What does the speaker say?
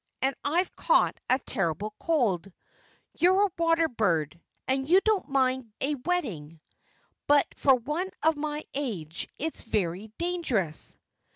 And I've caught a terrible cold. You're a water bird; and you don't mind a wetting. But for one of my age it's very dangerous."